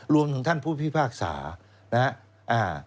รวมถึงท่านผู้พิพากษานะครับ